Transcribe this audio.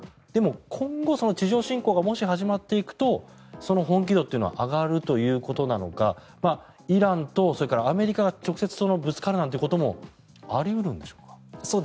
今後、地上侵攻がもし始まっていくとその本気度というのは上がるということなのかイランとアメリカが直接ぶつかるなんてこともあり得るんでしょうか。